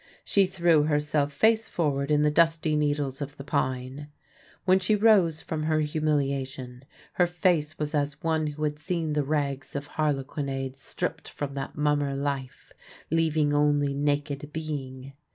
She threw herself, face forward, in the dusty needles of the pines. When she rose from her humiliation, her face was as one who has seen the rags of harlequinade stripped from that mummer Life, leaving only naked being.